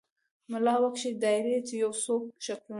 ملا وکښې دایرې یو څو شکلونه